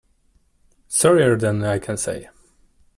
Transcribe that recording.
Sorrier than I can say.